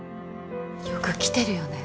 よく来てるよね